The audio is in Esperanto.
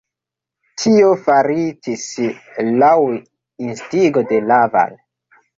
Tio faritis laŭ instigo de Laval.